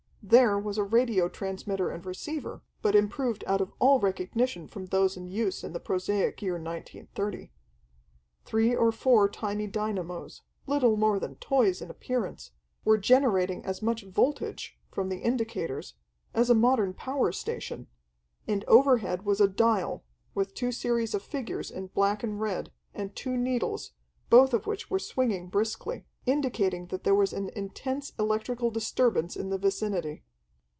There was a radio transmitter and receiver, but improved out of all recognition from those in use in the prosaic year 1930. Three or four tiny dynamos, little more than toys in appearance, were generating as much voltage, from the indicators, as a modern power station. And overhead was a dial, with two series of figures in black and red, and two needles, both of which were swinging briskly, indicating that there was an intense electrical disturbance in the vicinity.